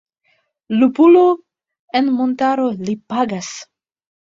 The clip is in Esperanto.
Lupulo en montaro Li pagas!